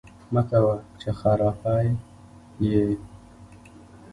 مکوه! چې خراپی یې